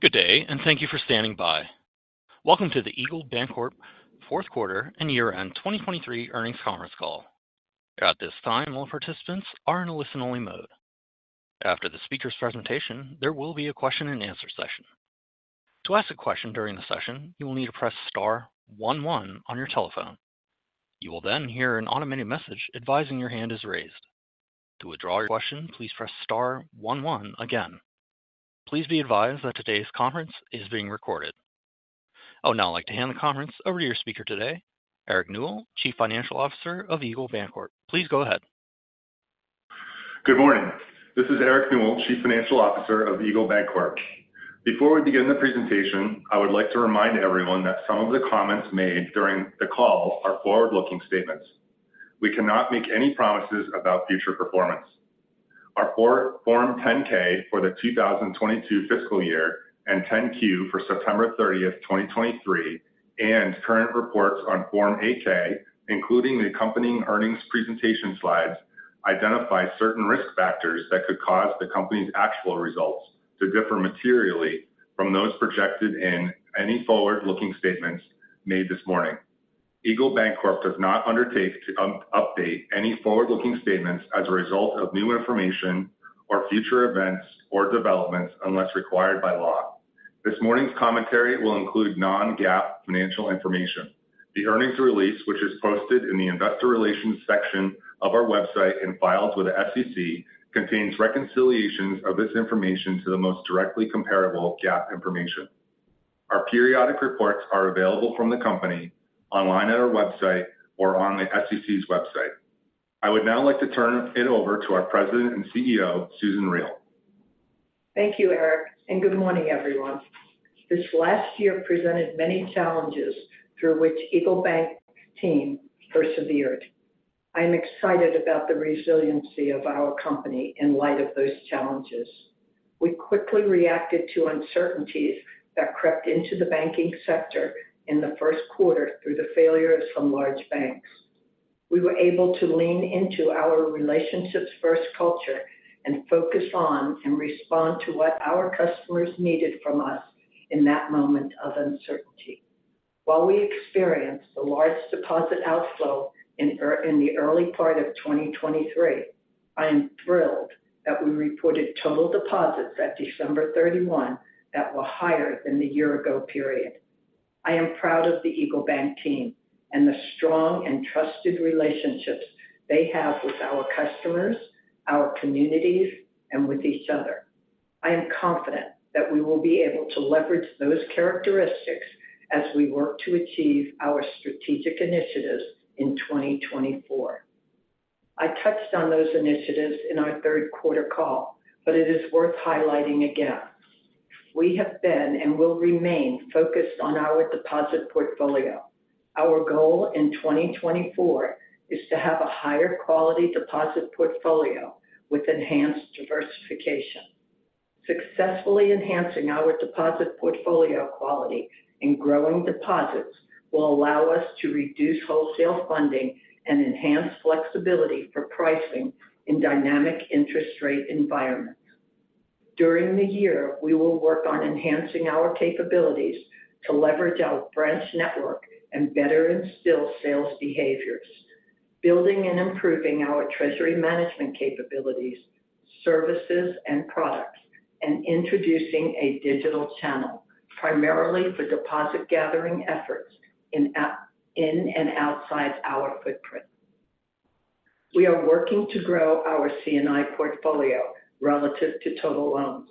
Good day, and thank you for standing by. Welcome to the Eagle Bancorp fourth quarter and year-end 2023 earnings conference call. At this time, all participants are in a listen-only mode. After the speaker's presentation, there will be a question-and-answer session. To ask a question during the session, you will need to press star one one on your telephone. You will then hear an automated message advising your hand is raised. To withdraw your question, please press star one one again. Please be advised that today's conference is being recorded. I would now like to hand the conference over to your speaker today, Eric Newell, Chief Financial Officer of Eagle Bancorp. Please go ahead. Good morning. This is Eric Newell, Chief Financial Officer of Eagle Bancorp. Before we begin the presentation, I would like to remind everyone that some of the comments made during the call are forward-looking statements. We cannot make any promises about future performance. Our Form 10-K for the 2022 fiscal year and 10-Q for September 30th, 2023, and current reports on Form 8-K, including the accompanying earnings presentation slides, identify certain risk factors that could cause the company's actual results to differ materially from those projected in any forward-looking statements made this morning. Eagle Bancorp does not undertake to update any forward-looking statements as a result of new information or future events or developments unless required by law. This morning's commentary will include non-GAAP financial information. The earnings release, which is posted in the investor relations section of our website and filed with the SEC, contains reconciliations of this information to the most directly comparable GAAP information. Our periodic reports are available from the company, online at our website or on the SEC's website. I would now like to turn it over to our President and CEO, Susan Riel. Thank you, Eric, and good morning, everyone. This last year presented many challenges through which EagleBank team persevered. I'm excited about the resiliency of our company in light of those challenges. We quickly reacted to uncertainties that crept into the banking sector in the first quarter through the failure of some large banks. We were able to lean into our relationships-first culture and focus on and respond to what our customers needed from us in that moment of uncertainty. While we experienced a large deposit outflow in the early part of 2023, I am thrilled that we reported total deposits at December 31 that were higher than the year ago period. I am proud of the EagleBank team and the strong and trusted relationships they have with our customers, our communities, and with each other. I am confident that we will be able to leverage those characteristics as we work to achieve our strategic initiatives in 2024. I touched on those initiatives in our third quarter call, but it is worth highlighting again. We have been and will remain focused on our deposit portfolio. Our goal in 2024 is to have a higher quality deposit portfolio with enhanced diversification. Successfully enhancing our deposit portfolio quality and growing deposits will allow us to reduce wholesale funding and enhance flexibility for pricing in dynamic interest rate environments. During the year, we will work on enhancing our capabilities to leverage our branch network and better instill sales behaviors, building and improving our treasury management capabilities, services, and products, and introducing a digital channel, primarily for deposit gathering efforts in and outside our footprint. We are working to grow our C&I portfolio relative to total loans.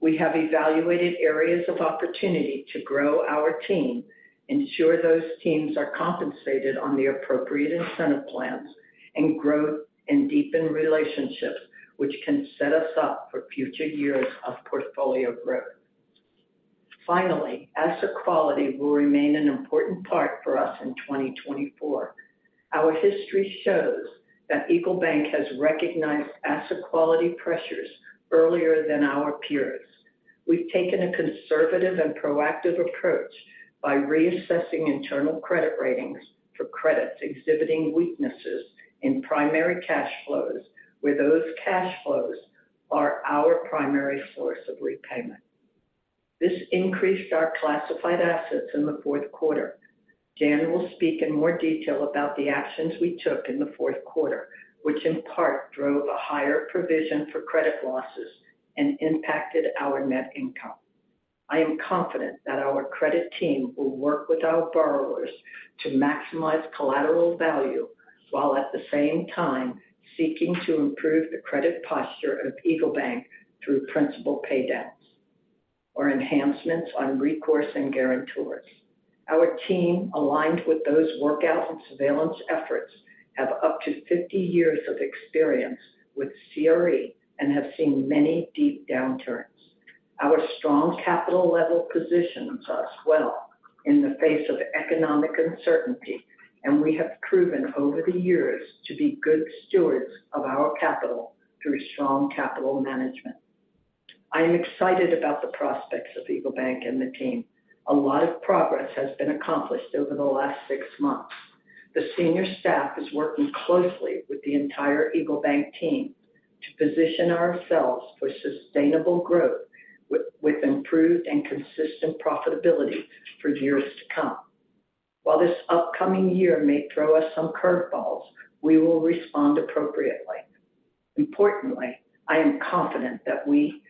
We have evaluated areas of opportunity to grow our team, ensure those teams are compensated on the appropriate incentive plans, and grow and deepen relationships which can set us up for future years of portfolio growth. Finally, asset quality will remain an important part for us in 2024. Our history shows that EagleBank has recognized asset quality pressures earlier than our peers. We've taken a conservative and proactive approach by reassessing internal credit ratings for credits exhibiting weaknesses in primary cash flows, where those cash flows are our primary source of repayment. This increased our classified assets in the fourth quarter. Jan will speak in more detail about the actions we took in the fourth quarter, which in part drove a higher provision for credit losses and impacted our net income. I am confident that our credit team will work with our borrowers to maximize collateral value, while at the same time seeking to improve the credit posture of EagleBank through principal paydowns or enhancements on recourse and guarantors. Our team, aligned with those workout and surveillance efforts, have up to 50 years of experience with CRE and have seen many deep downturns. Our strong capital level positions us well in the face of economic uncertainty, and we have proven over the years to be good stewards of our capital through strong capital management. I am excited about the prospects of EagleBank and the team. A lot of progress has been accomplished over the last 6 months.... The senior staff is working closely with the entire EagleBank team to position ourselves for sustainable growth with improved and consistent profitability for years to come. While this upcoming year may throw us some curveballs, we will respond appropriately. Importantly, I am confident that we've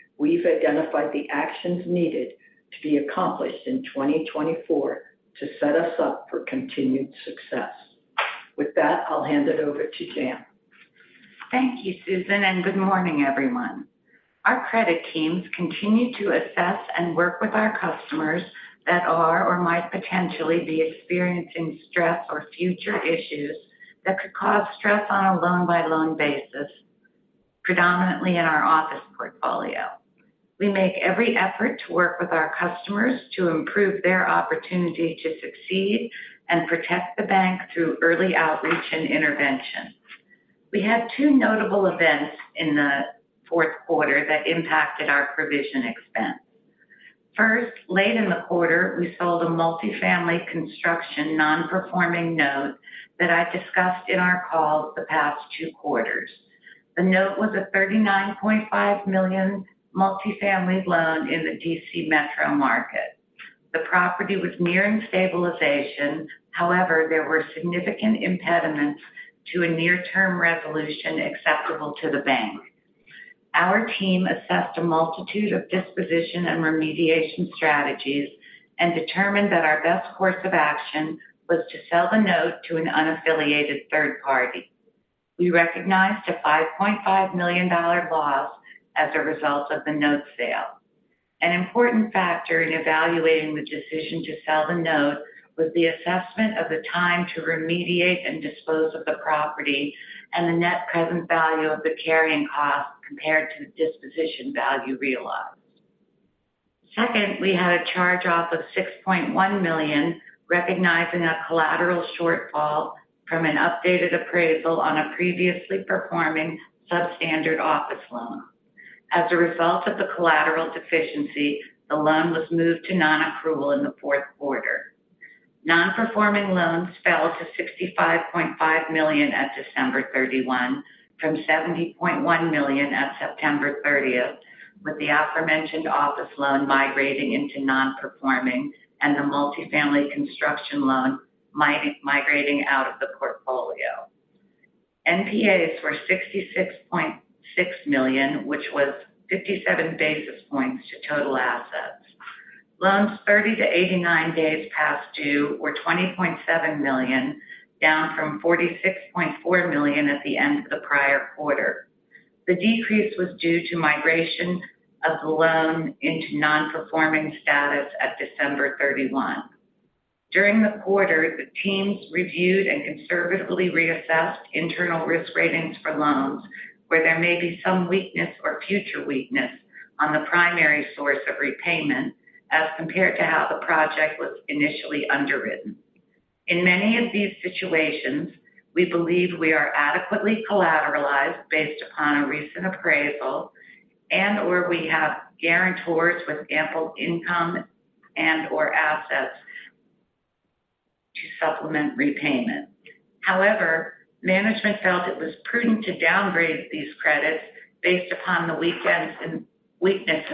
identified the actions needed to be accomplished in 2024 to set us up for continued success. With that, I'll hand it over to Jan. Thank you, Susan, and good morning, everyone. Our credit teams continue to assess and work with our customers that are or might potentially be experiencing stress or future issues that could cause stress on a loan-by-loan basis, predominantly in our office portfolio. We make every effort to work with our customers to improve their opportunity to succeed and protect the bank through early outreach and intervention. We had two notable events in the fourth quarter that impacted our provision expense. First, late in the quarter, we sold a multifamily construction nonperforming note that I've discussed in our calls the past two quarters. The note was a $39.5 million multifamily loan in the DC metro market. The property was nearing stabilization. However, there were significant impediments to a near-term resolution acceptable to the bank. Our team assessed a multitude of disposition and remediation strategies and determined that our best course of action was to sell the note to an unaffiliated third party. We recognized a $5.5 million loss as a result of the note sale. An important factor in evaluating the decision to sell the note was the assessment of the time to remediate and dispose of the property and the net present value of the carrying cost compared to the disposition value realized. Second, we had a charge-off of $6.1 million, recognizing a collateral shortfall from an updated appraisal on a previously performing substandard office loan. As a result of the collateral deficiency, the loan was moved to nonaccrual in the fourth quarter. Nonperforming loans fell to $65.5 million at December 31, from $70.1 million at September 30th, with the aforementioned office loan migrating into nonperforming and the multifamily construction loan migrating out of the portfolio. NPAs were $66.6 million, which was 57 basis points to total assets. Loans 30-89 days past due were $20.7 million, down from $46.4 million at the end of the prior quarter. The decrease was due to migration of the loan into nonperforming status at December 31. During the quarter, the teams reviewed and conservatively reassessed internal risk ratings for loans, where there may be some weakness or future weakness on the primary source of repayment as compared to how the project was initially underwritten. In many of these situations, we believe we are adequately collateralized based upon a recent appraisal and/or we have guarantors with ample income and/or assets to supplement repayment. However, management felt it was prudent to downgrade these credits based upon the weakness in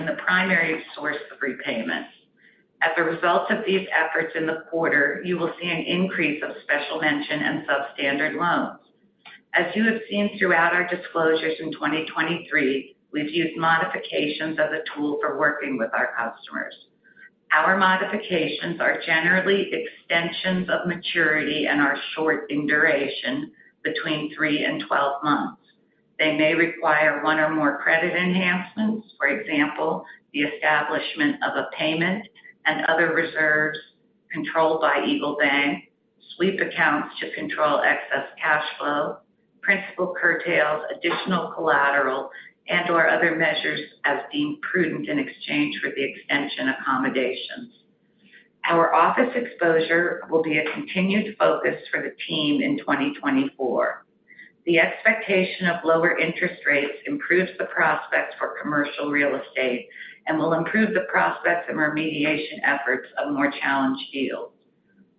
the primary source of repayment. As a result of these efforts in the quarter, you will see an increase of special mention and substandard loans. As you have seen throughout our disclosures in 2023, we've used modifications as a tool for working with our customers. Our modifications are generally extensions of maturity and are short in duration between three and 12 months. They may require one or more credit enhancements. For example, the establishment of a payment and other reserves controlled by EagleBank, sweep accounts to control excess cash flow, principal curtails, additional collateral, and/or other measures as deemed prudent in exchange for the extension accommodations. Our office exposure will be a continued focus for the team in 2024. The expectation of lower interest rates improves the prospects for commercial real estate and will improve the prospects and remediation efforts of more challenged deals.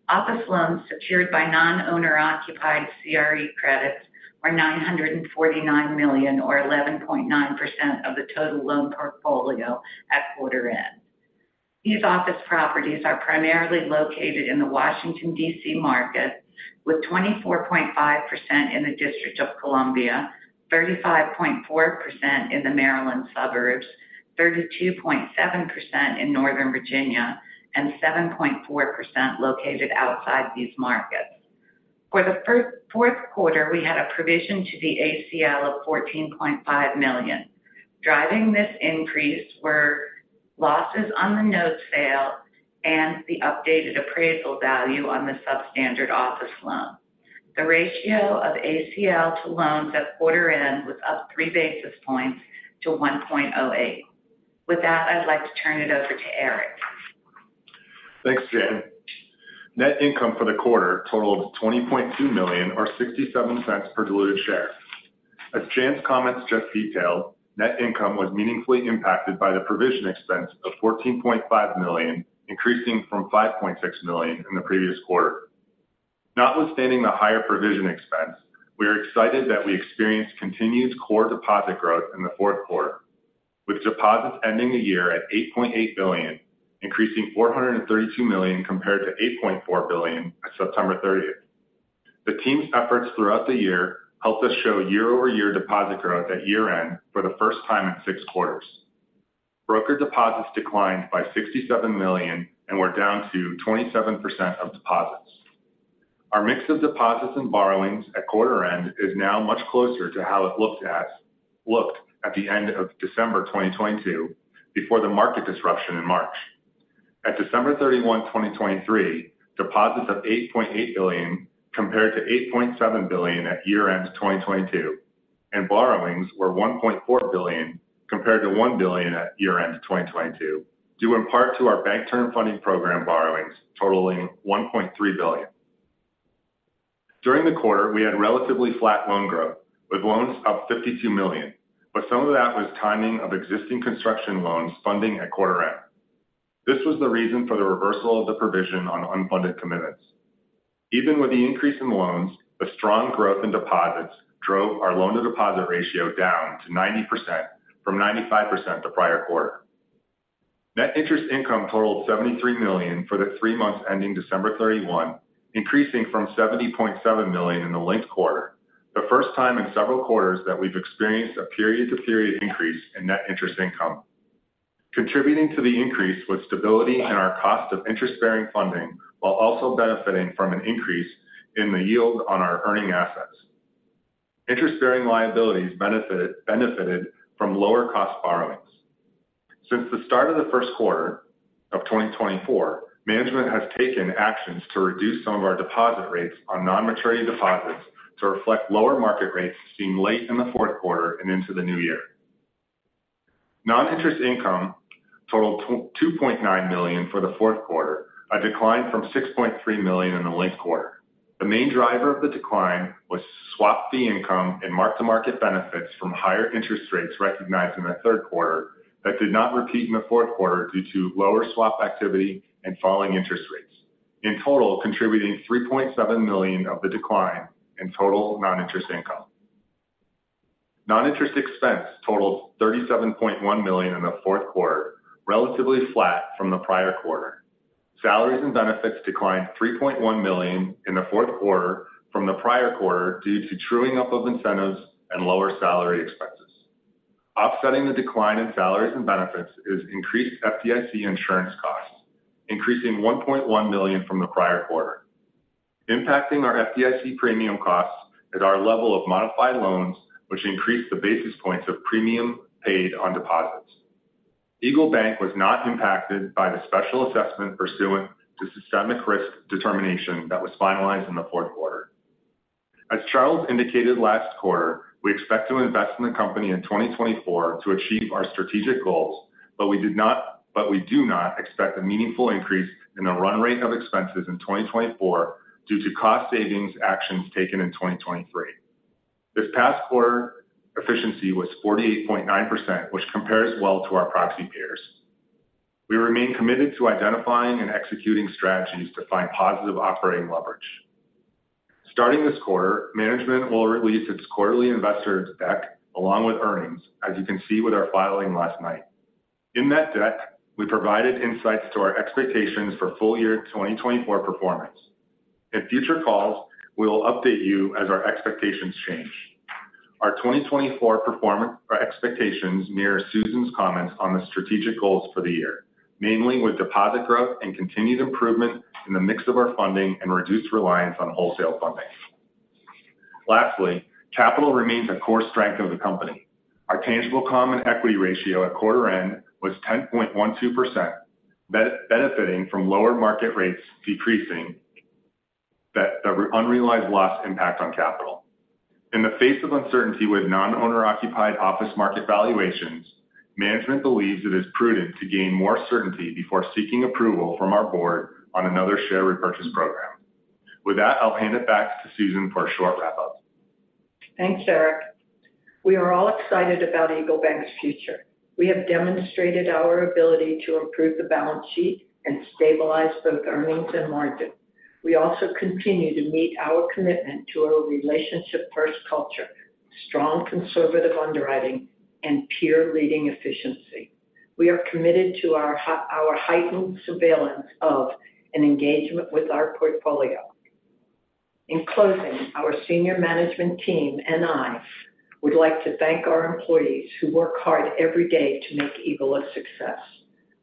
Office loans secured by non-owner occupied CRE credits are $949 million or 11.9% of the total loan portfolio at quarter end. These office properties are primarily located in the Washington, D.C. market, with 24.5% in the District of Columbia, 35.4% in the Maryland suburbs, 32.7% in Northern Virginia, and 7.4% located outside these markets. For the fourth quarter, we had a provision to the ACL of $14.5 million. Driving this increase were losses on the note sale and the updated appraisal value on the substandard office loan. The ratio of ACL to loans at quarter end was up three basis points to 1.08. With that, I'd like to turn it over to Eric. Thanks, Jan. Net income for the quarter totaled $20.2 million or $0.67 per diluted share.... As Jan's comments just detailed, net income was meaningfully impacted by the provision expense of $14.5 million, increasing from $5.6 million in the previous quarter. Notwithstanding the higher provision expense, we are excited that we experienced continued core deposit growth in the fourth quarter, with deposits ending the year at $8.8 billion, increasing $432 million compared to $8.4 billion on September 30th. The team's efforts throughout the year helped us show year-over-year deposit growth at year-end for the first time in six quarters. Broker deposits declined by $67 million and were down to 27% of deposits. Our mix of deposits and borrowings at quarter end is now much closer to how it looked at the end of December 2022, before the market disruption in March. At December 31, 2023, deposits of $8.8 billion compared to $8.7 billion at year-end 2022, and borrowings were $1.4 billion compared to $1 billion at year-end 2022, due in part to our Bank Term Funding Program borrowings totaling $1.3 billion. During the quarter, we had relatively flat loan growth, with loans up $52 million, but some of that was timing of existing construction loans funding at quarter end. This was the reason for the reversal of the provision on unfunded commitments. Even with the increase in loans, the strong growth in deposits drove our loan-to-deposit ratio down to 90% from 95% the prior quarter. Net interest income totaled $73 million for the three months ending December 31, increasing from $70.7 million in the linked quarter, the first time in several quarters that we've experienced a period-to-period increase in net interest income. Contributing to the increase was stability in our cost of interest-bearing funding, while also benefiting from an increase in the yield on our earning assets. Interest-bearing liabilities benefited from lower cost borrowings. Since the start of the first quarter of 2024, management has taken actions to reduce some of our deposit rates on non-maturity deposits to reflect lower market rates seen late in the fourth quarter and into the new year. Non-interest income totaled $2.9 million for the fourth quarter, a decline from $6.3 million in the linked quarter. The main driver of the decline was swap fee income and mark-to-market benefits from higher interest rates recognized in the third quarter that did not repeat in the fourth quarter due to lower swap activity and falling interest rates, in total, contributing $3.7 million of the decline in total non-interest income. Non-interest expense totaled $37.1 million in the fourth quarter, relatively flat from the prior quarter. Salaries and benefits declined $3.1 million in the fourth quarter from the prior quarter due to truing up of incentives and lower salary expenses. Offsetting the decline in salaries and benefits is increased FDIC insurance costs, increasing $1.1 million from the prior quarter, impacting our FDIC premium costs at our level of modified loans, which increased the basis points of premium paid on deposits. EagleBank was not impacted by the special assessment pursuant to systemic risk determination that was finalized in the fourth quarter. As Charles indicated last quarter, we expect to invest in the company in 2024 to achieve our strategic goals, but we do not expect a meaningful increase in the run rate of expenses in 2024 due to cost savings actions taken in 2023. This past quarter, efficiency was 48.9%, which compares well to our proxy peers. We remain committed to identifying and executing strategies to find positive operating leverage. Starting this quarter, management will release its quarterly investor deck along with earnings, as you can see with our filing last night. In that deck, we provided insights to our expectations for full year 2024 performance. In future calls, we will update you as our expectations change. Our 2024 performance or expectations mirror Susan's comments on the strategic goals for the year, mainly with deposit growth and continued improvement in the mix of our funding and reduced reliance on wholesale funding. Lastly, capital remains a core strength of the company. Our tangible common equity ratio at quarter end was 10.12%, benefiting from lower market rates, decreasing the unrealized loss impact on capital. In the face of uncertainty with non-owner occupied office market valuations, management believes it is prudent to gain more certainty before seeking approval from our board on another share repurchase program. With that, I'll hand it back to Susan for a short wrap-up. Thanks, Eric. We are all excited about EagleBank's future. We have demonstrated our ability to improve the balance sheet and stabilize both earnings and margins. We also continue to meet our commitment to a relationship-first culture, strong conservative underwriting, and peer-leading efficiency. We are committed to our heightened surveillance of an engagement with our portfolio. In closing, our senior management team and I would like to thank our employees who work hard every day to make Eagle a success.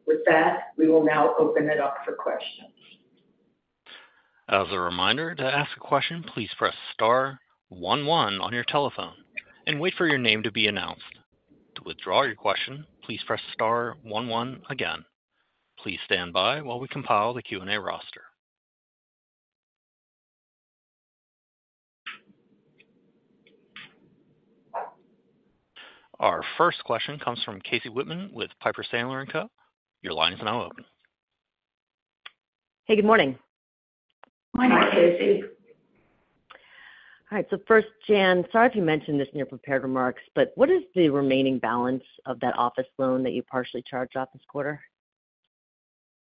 With that, we will now open it up for questions. As a reminder, to ask a question, please press star one one on your telephone and wait for your name to be announced. To withdraw your question, please press star one one again. Please stand by while we compile the Q&A roster. Our first question comes from Casey Whitman with Piper Sandler and Co. Your line is now open. Hey, good morning. Good morning, Casey. All right. So first, Jan, sorry if you mentioned this in your prepared remarks, but what is the remaining balance of that office loan that you partially charged off this quarter?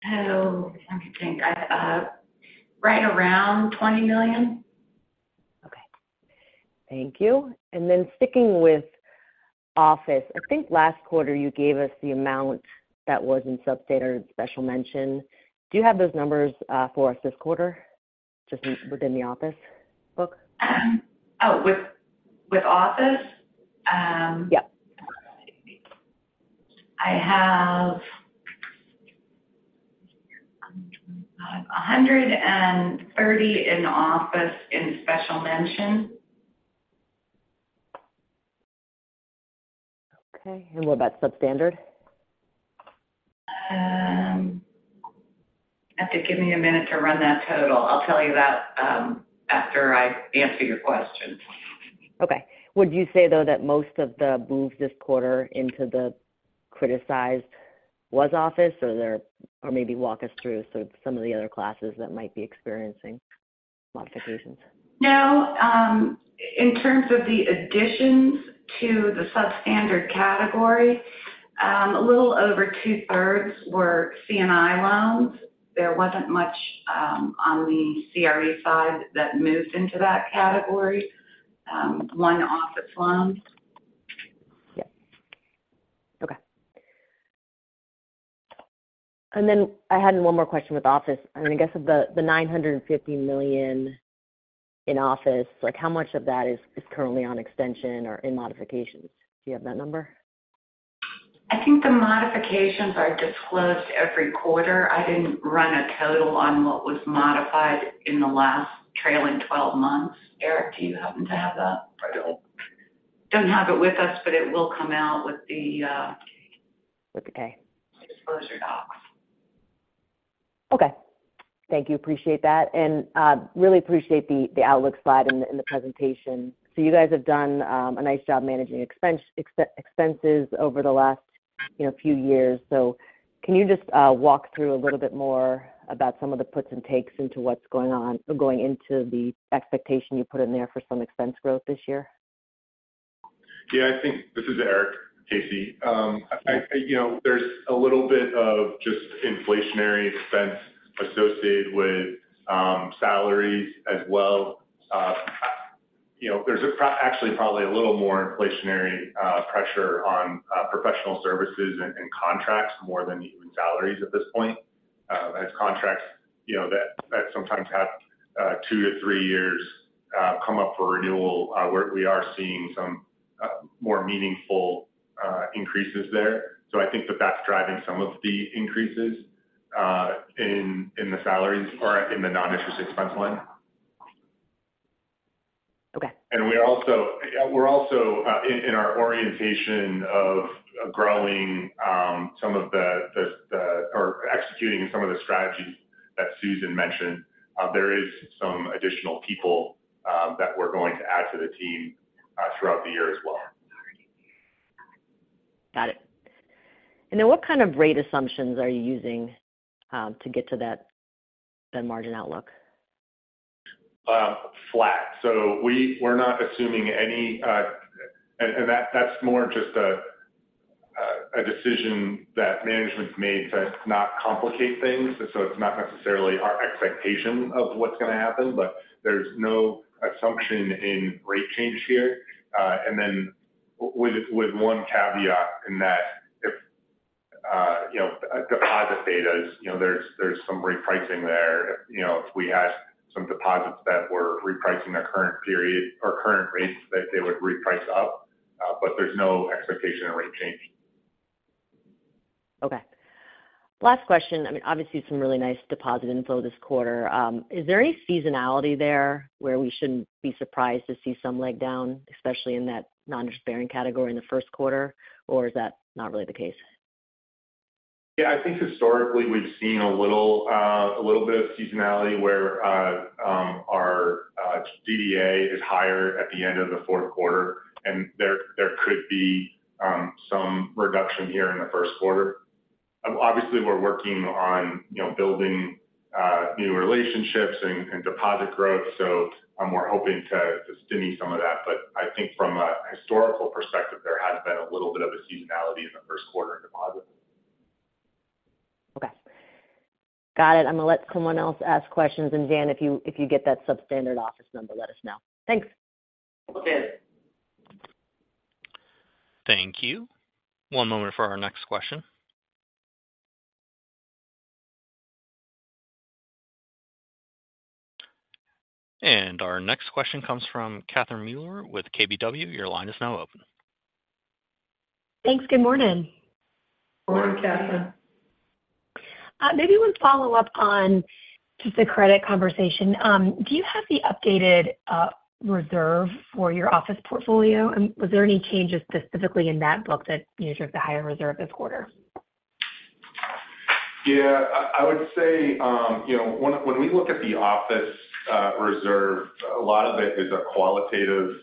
Oh, let me think. I... Right around $20 million. Okay. Thank you. And then sticking with office, I think last quarter you gave us the amount that was in substandard special mention. Do you have those numbers for us this quarter, just within the office book? Oh, with office? Yeah. I have 130 in office in special mention. Okay. What about substandard? You have to give me a minute to run that total. I'll tell you that, after I answer your question. Okay. Would you say, though, that most of the moves this quarter into the criticized were office, or maybe walk us through some of the other classes that might be experiencing modifications? No, in terms of the additions to the substandard category, a little over two-thirds were C&I loans. There wasn't much on the CRE side that moved into that category, one office loan. Yeah. Okay. And then I had one more question with office. I mean, I guess of the $950 million in office, like, how much of that is currently on extension or in modifications? Do you have that number? I think the modifications are disclosed every quarter. I didn't run a total on what was modified in the last trailing twelve months. Eric, do you happen to have that? I don't. Don't have it with us, but it will come out with the, With the K... disclosure docs. Okay. Thank you. Appreciate that, and really appreciate the outlook slide in the presentation. So you guys have done a nice job managing expenses over the last, you know, few years. So can you just walk through a little bit more about some of the puts and takes into what's going on, going into the expectation you put in there for some expense growth this year? Yeah, I think. This is Eric, Casey. You know, there's a little bit of just inflationary expense associated with salaries as well. You know, there's actually probably a little more inflationary pressure on professional services and contracts more than even salaries at this point. As contracts, you know, that sometimes have two to three years come up for renewal, where we are seeing some more meaningful increases there. So I think that's driving some of the increases in the salaries or in the non-interest expense line. Okay. We're also in our orientation of growing or executing some of the strategies that Susan mentioned. There is some additional people that we're going to add to the team throughout the year as well. Got it. And then what kind of rate assumptions are you using to get to that margin outlook? Flat. So we're not assuming any, and that, that's more just a decision that management's made to not complicate things. So it's not necessarily our expectation of what's going to happen, but there's no assumption in rate change here. And then with one caveat, in that if you know, a deposit beta is, you know, there's some repricing there. You know, if we had some deposits that were repricing their current period or current rates, that they would reprice up, but there's no expectation of rate change. Okay. Last question. I mean, obviously, some really nice deposit inflow this quarter. Is there any seasonality there, where we shouldn't be surprised to see some leg down, especially in that non-interest-bearing category in the first quarter, or is that not really the case? Yeah, I think historically we've seen a little, a little bit of seasonality where our DDA is higher at the end of the fourth quarter, and there could be some reduction here in the first quarter. Obviously, we're working on, you know, building new relationships and deposit growth, so we're hoping to stymie some of that. But I think from a historical perspective, there has been a little bit of a seasonality in the first quarter in deposits. Okay. Got it. I'm going to let someone else ask questions. And Jan, if you, if you get that substandard office number, let us know. Thanks. Okay. Thank you. One moment for our next question. And our next question comes from Catherine Mealor with KBW. Your line is now open. Thanks. Good morning. Good morning, Catherine. Maybe one follow-up on just the credit conversation. Do you have the updated reserve for your office portfolio? And was there any changes specifically in that book that drove the higher reserve this quarter? Yeah. I would say, you know, when we look at the office reserve, a lot of it is a qualitative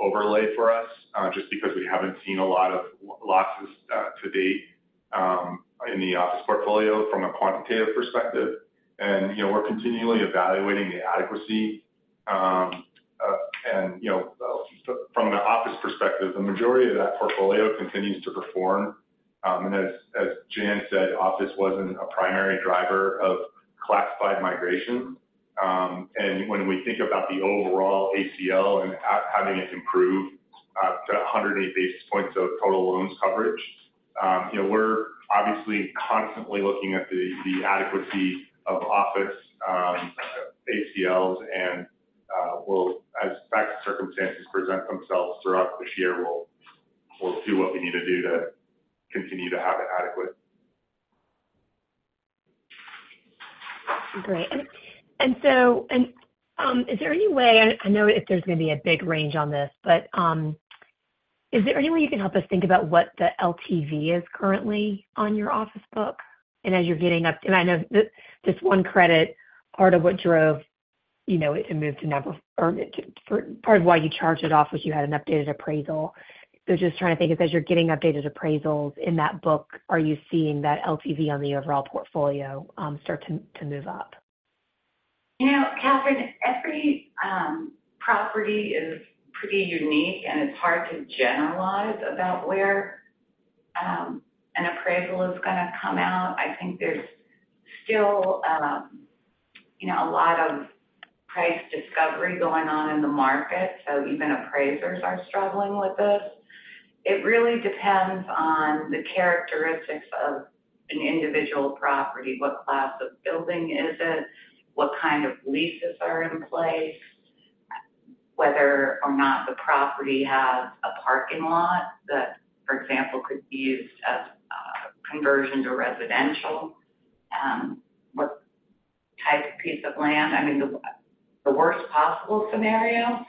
overlay for us, just because we haven't seen a lot of losses to date in the office portfolio from a quantitative perspective. And you know, we're continually evaluating the adequacy. And you know, from the office perspective, the majority of that portfolio continues to perform. And as Jan said, office wasn't a primary driver of classified migration. And when we think about the overall ACL and how it may improve to 108 basis points of total loans coverage, you know, we're obviously constantly looking at the adequacy of office ACLs, and we'll, as facts and circumstances present themselves throughout this year, we'll do what we need to do to continue to have it adequate. Great. So, is there any way—I know there's gonna be a big range on this, but is there any way you can help us think about what the LTV is currently on your office book? And as you're getting up, and I know this one credit, part of what drove, you know, it moved to never, or part of why you charged it off was you had an updated appraisal. So just trying to think, as you're getting updated appraisals in that book, are you seeing that LTV on the overall portfolio start to move up? You know, Catherine, every property is pretty unique, and it's hard to generalize about where an appraisal is gonna come out. I think there's still, you know, a lot of price discovery going on in the market, so even appraisers are struggling with this. It really depends on the characteristics of an individual property, what class of building is it? What kind of leases are in place? Whether or not the property has a parking lot that, for example, could be used as conversion to residential. What type of piece of land? I mean, the worst possible scenario,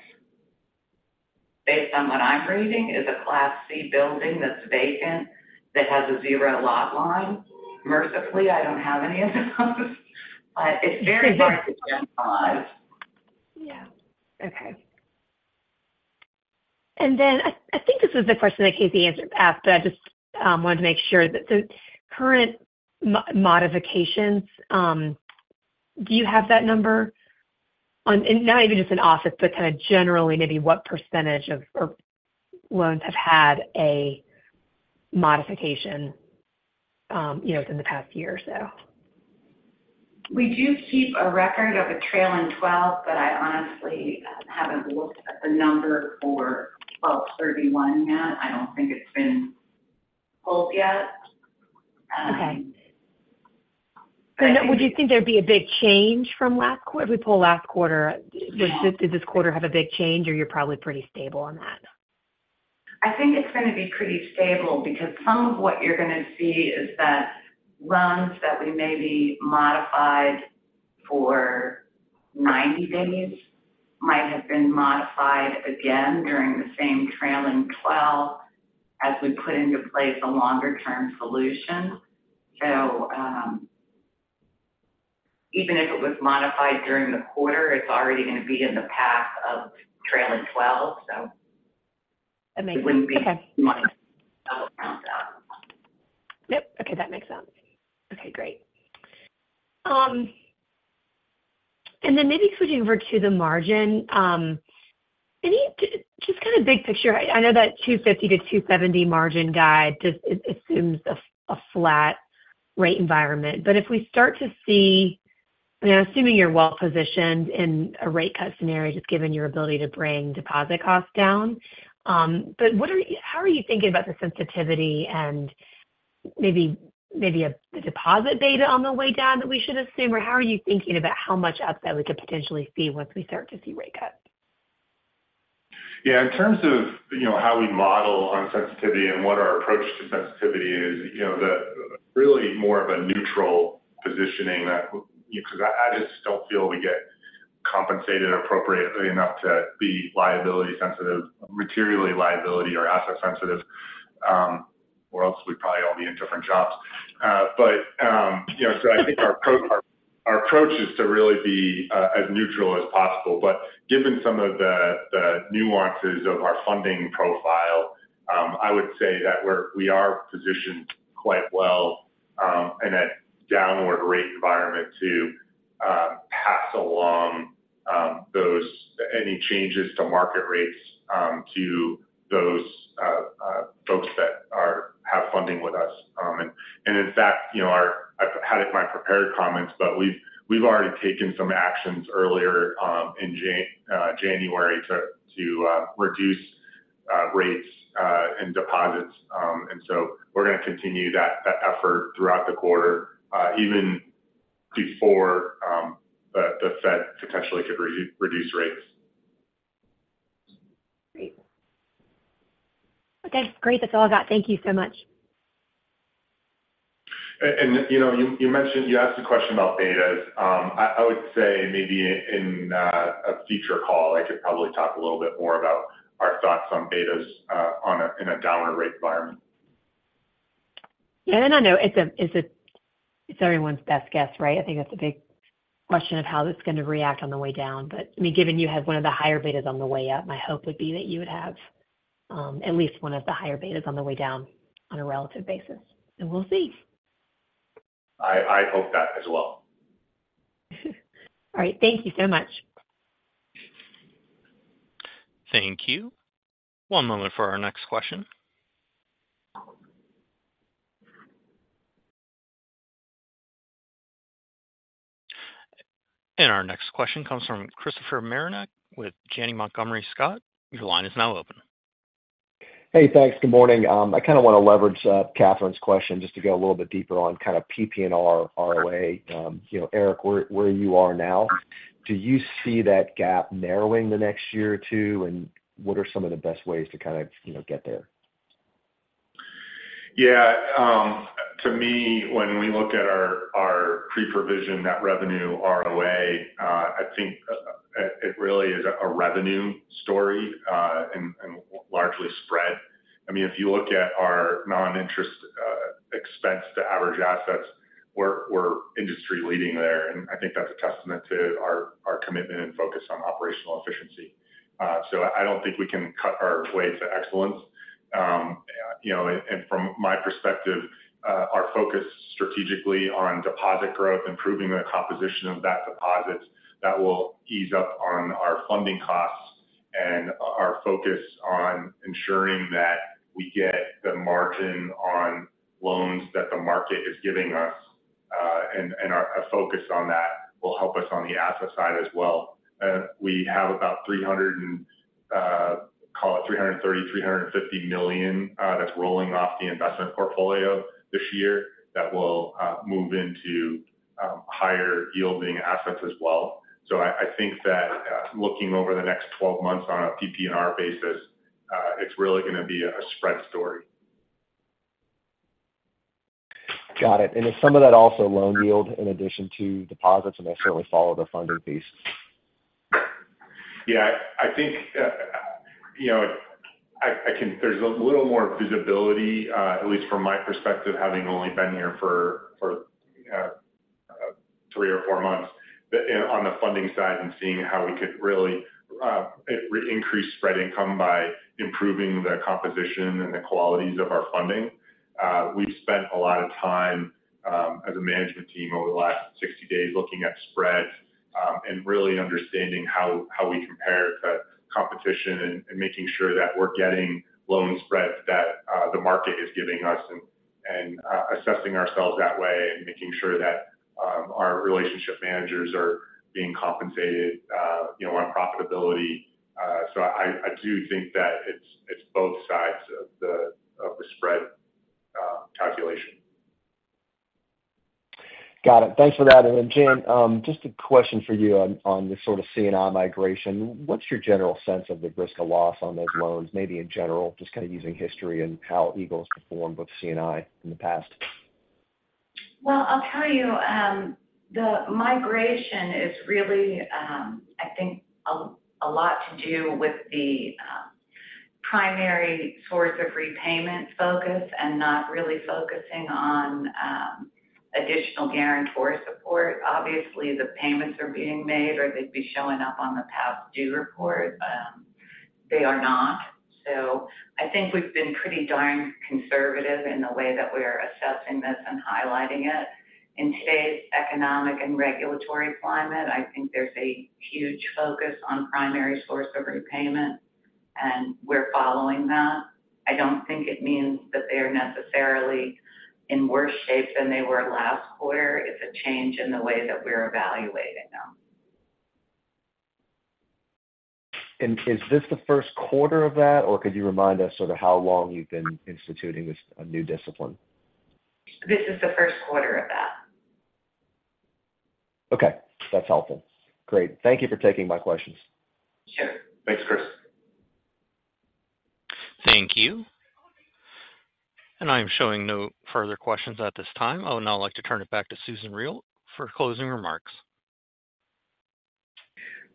based on what I'm reading, is a Class C building that's vacant, that has a zero lot line. Mercifully, I don't have any of those. But it's very hard to generalize. Yeah. Okay. And then, I think this was the question that Casey answered, asked, but I just wanted to make sure. The current modifications, do you have that number on... and not even just in office, but kind of generally, maybe what percentage of, or loans have had a modification, you know, within the past year or so? We do keep a record of a trail in 12, but I honestly haven't looked at the number for 12/31 yet. I don't think it's been pulled yet. Okay. But would you think there'd be a big change from last quarter? We pulled last quarter. Did this quarter have a big change, or you're probably pretty stable on that? I think it's gonna be pretty stable because some of what you're gonna see is that loans that we maybe modified for 90 days might have been modified again during the same trailing twelve, as we put into place a longer-term solution. So, even if it was modified during the quarter, it's already gonna be in the path of trailing twelve, so- That makes sense. It wouldn't be much. Okay. So. Yep. Okay, that makes sense. Okay, great. And then maybe switching over to the margin, any just kind of big picture, I know that 250-270 margin guide just assumes a flat rate environment, but if we start to see, and I'm assuming you're well positioned in a rate cut scenario, just given your ability to bring deposit costs down. But what are you? How are you thinking about the sensitivity and maybe a deposit beta on the way down that we should assume? Or how are you thinking about how much upside we could potentially see once we start to see rate cuts? Yeah, in terms of, you know, how we model on sensitivity and what our approach to sensitivity is, you know, really more of a neutral positioning that, because I just don't feel we get compensated appropriately enough to be liability sensitive, materially liability or asset sensitive, or else we'd probably all be in different jobs. But, you know, so I think our approach is to really be as neutral as possible. But given some of the nuances of our funding profile, I would say that we are positioned quite well in a downward rate environment to pass along those any changes to market rates to those folks that are have funding with us. And, in fact, you know, our... I had it in my prepared comments, but we've already taken some actions earlier in January to reduce rates and deposits. And so we're gonna continue that effort throughout the quarter, even before the Fed potentially could reduce rates. Great. Okay, great. That's all I got. Thank you so much. And, you know, you mentioned, you asked a question about betas. I would say maybe in a future call, I could probably talk a little bit more about our thoughts on betas in a downward rate environment.... Yeah, no, no, it's everyone's best guess, right? I think that's a big question of how this is going to react on the way down. But, I mean, given you had one of the higher betas on the way up, my hope would be that you would have at least one of the higher betas on the way down on a relative basis. And we'll see. I hope that as well. All right. Thank you so much. Thank you. One moment for our next question. Our next question comes from Christopher Marinac with Janney Montgomery Scott. Your line is now open. Hey, thanks. Good morning. I kind of want to leverage Catherine's question just to go a little bit deeper on kind of PPNR ROA. You know, Eric, where you are now, do you see that gap narrowing the next year or two? And what are some of the best ways to kind of, you know, get there? Yeah, to me, when we look at our pre-provision net revenue, ROA, I think it really is a revenue story, and largely spread. I mean, if you look at our non-interest expense to average assets, we're industry-leading there, and I think that's a testament to our commitment and focus on operational efficiency. So I don't think we can cut our way to excellence. You know, and from my perspective, our focus strategically on deposit growth, improving the composition of that deposit, that will ease up on our funding costs and our focus on ensuring that we get the margin on loans that the market is giving us, and a focus on that will help us on the asset side as well. We have about $300, call it $330 million - $350 million, that's rolling off the investment portfolio this year that will move into higher-yielding assets as well. So I, I think that, looking over the next 12 months on a PPNR basis, it's really gonna be a spread story. Got it. Is some of that also loan yield in addition to deposits, and they'll certainly follow the funding piece? Yeah, I think, you know, I can—there's a little more visibility, at least from my perspective, having only been here for three or four months, but and on the funding side and seeing how we could really increase spread income by improving the composition and the qualities of our funding. We've spent a lot of time, as a management team over the last 60 days, looking at spreads, and really understanding how we compare to competition and making sure that we're getting loan spreads that the market is giving us, and assessing ourselves that way and making sure that our relationship managers are being compensated, you know, on profitability. So I do think that it's both sides of the spread calculation. Got it. Thanks for that. And then, Jan, just a question for you on the sort of C&I migration. What's your general sense of the risk of loss on those loans, maybe in general, just kind of using history and how Eagle has performed with C&I in the past? Well, I'll tell you, the migration is really, I think, a lot to do with the primary source of repayment focus and not really focusing on additional guarantor support. Obviously, the payments are being made, or they'd be showing up on the past due report. They are not. So I think we've been pretty darn conservative in the way that we are assessing this and highlighting it. In today's economic and regulatory climate, I think there's a huge focus on primary source of repayment, and we're following that. I don't think it means that they are necessarily in worse shape than they were last quarter. Is this the first quarter of that, or could you remind us sort of how long you've been instituting this new discipline? This is the first quarter of that. Okay. That's helpful. Great. Thank you for taking my questions. Sure. Thanks, Chris. Thank you. I'm showing no further questions at this time. I would now like to turn it back to Susan Riel for closing remarks.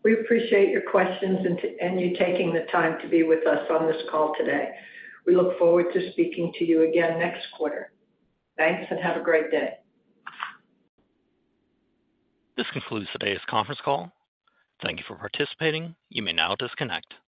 We appreciate your questions and you taking the time to be with us on this call today. We look forward to speaking to you again next quarter. Thanks, and have a great day. This concludes today's conference call. Thank you for participating. You may now disconnect.